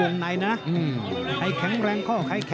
ส่วนคู่ต่อไปของกาวสีมือเจ้าระเข้ยวนะครับขอบคุณด้วย